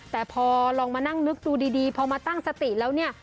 แต่พอลองมานั่งนึกดูดีพอมาตั้งสติแล้วเนี่ย